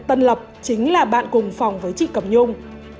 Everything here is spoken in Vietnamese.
tân lập chính là bạn cùng phòng với chị cẩm nhung